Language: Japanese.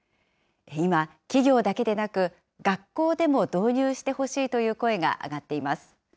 今、企業だけでなく、学校でも導入してほしいという声が上がっています。